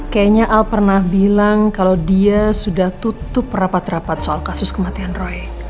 kayaknya al pernah bilang kalau dia sudah tutup rapat rapat soal kasus kematian roy